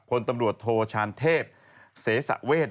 พลตำรวจโทชานเทพเสสะเวท